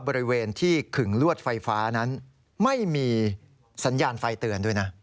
บริเวณที่ขึงลวดไฟฟ้านั้นไม่มีสัญญาณไฟเตือนด้วยนะ